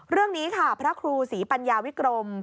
เรื่องนี้ค่ะพระครูศรีปัญญาวิกรม